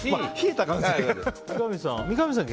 三上さんは